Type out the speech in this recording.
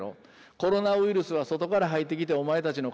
コロナウイルスは外から入ってきてお前たちの体をむしばむ。